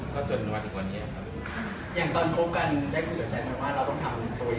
ก็จะเปิดเช็คให้ลองออก